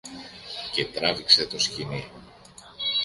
και τράβηξε το σκοινί.